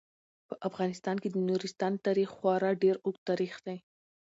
په افغانستان کې د نورستان تاریخ خورا ډیر اوږد تاریخ دی.